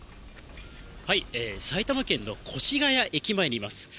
埼玉県の越谷駅前にいます。